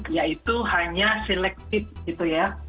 yaitu hanya selected gitu ya